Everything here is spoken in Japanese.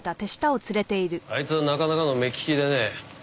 あいつはなかなかの目利きでね。